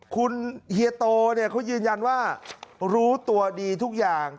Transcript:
คุณเฮียโตเนี่ยเขายืนยันว่ารู้ตัวดีทุกอย่าง